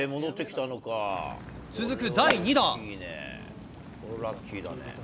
続く第２打。